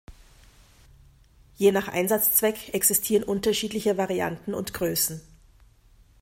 Je nach Einsatzzweck existieren unterschiedliche Varianten und Größen.